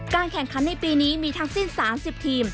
แข่งขันในปีนี้มีทั้งสิ้น๓๐ทีม